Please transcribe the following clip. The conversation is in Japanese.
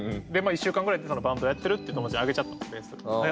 １週間ぐらいでバンドやってるって友達にあげちゃったんですベース。